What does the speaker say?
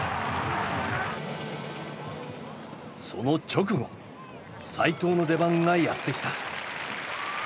その直後齋藤の出番がやって来た。